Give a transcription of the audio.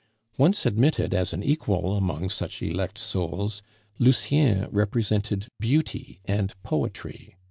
Once admitted as an equal among such elect souls, Lucien represented beauty and poetry.